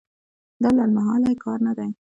دا لنډمهالی کار نه دی.